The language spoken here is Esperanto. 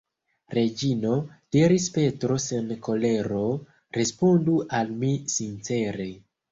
Reĝino, diris Petro sen kolero, respondu al mi sincere.